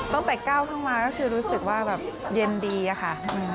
ตั้งแต่ก้าวขึ้นมาก็คือรู้สึกว่าแบบเย็นดีอะค่ะ